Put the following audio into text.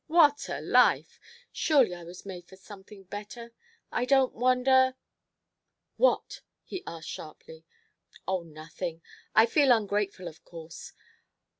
What a life! Surely I was made for something better. I don't wonder " "What?" he asked sharply. "Oh, nothing. I feel ungrateful, of course.